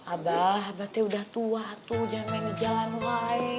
abah abah tuh udah tua tuh jangan main di jalan woi